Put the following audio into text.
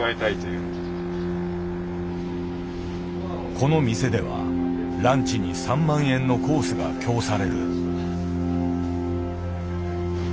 この店ではランチに３万円のコースが饗される。